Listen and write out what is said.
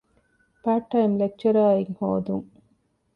ޕާރޓްޓައިމް ލެކްޗަރަރ އިން ހޯދުން